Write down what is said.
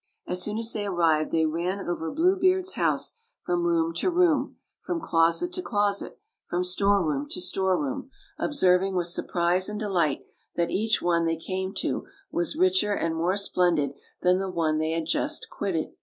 As soon as they arrived they ran over Blue Beard's house from room to room, from closet to closet, from storeroom to storeroom, observing with surprise and delight that each one they came to was richer and more splendid than the one they had just quitted.